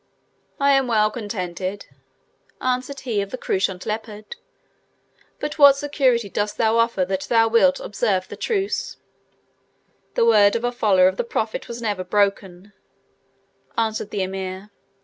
"I am well contented," answered he of the Couchant Leopard; "but what security dost thou offer that thou wilt observe the truce?" "The word of a follower of the Prophet was never broken," answered the Emir.